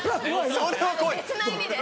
別な意味で。